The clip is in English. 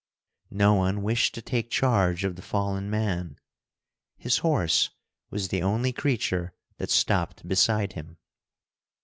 No one wished to take charge of the fallen man. His horse was the only creature that stopped beside him.